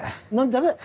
駄目？